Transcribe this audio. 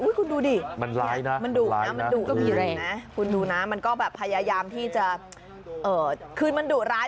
อุ๊ยคุณดูดิมันดุนะมันดุมากมันแบบพยายามที่จะคือมันดุร้าย